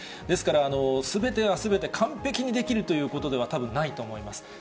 ですから、すべてがすべて、完璧にできるということでは、たぶんないと思います。